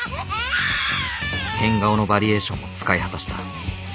変顔のバリエーションも使い果たした。